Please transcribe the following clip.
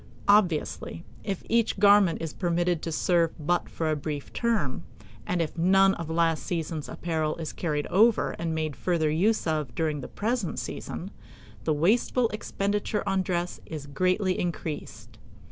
Obviously, if each garment is permitted to serve for but a brief term, and if none of last season's apparel is carried over and made further use of during the present season, the wasteful expenditure on dress is greatly increased.